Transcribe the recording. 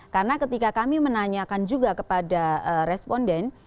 karena ketika kami menanyakan juga kepada responden